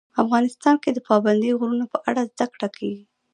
افغانستان کې د پابندی غرونه په اړه زده کړه کېږي.